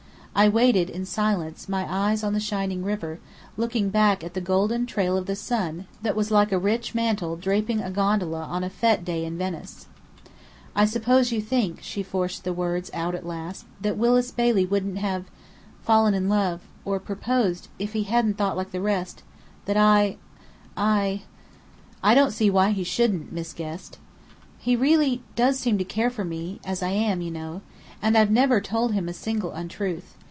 I waited, in silence, my eyes on the shining river, looking back at the golden trail of the sun that was like a rich mantle draping a gondola on a fête day in Venice. "I suppose you think," she forced the words out at last, "that Willis Bailey wouldn't have fallen in love or proposed if he hadn't thought like the rest, that I I " "I don't see why he shouldn't, Miss Guest." "He really does seem to care for me as I am, you know. And I've never told him a single untruth.